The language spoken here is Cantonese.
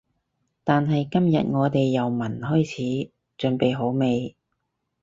但係今日我哋由聞開始，準備好未？